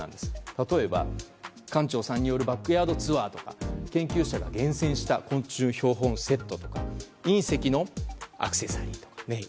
例えば、館長さんによるバックヤードツアーとか研究者が厳選した昆虫標本セット隕石のアクセサリー。